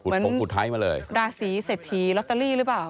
เหมือนราศีเศรษฐีลอตเตอรี่หรือเปล่า